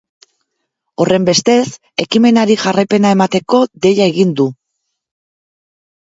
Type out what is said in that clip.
Horrenbestez, ekimenari jarraipena emateko deia egin du.